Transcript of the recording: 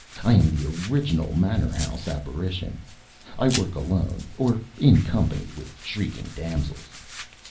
I am the original manor house apparition. I work alone, or in company with shrieking damsels."